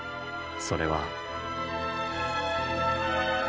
それは。